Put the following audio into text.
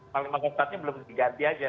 panglima pangkostratnya belum diganti saja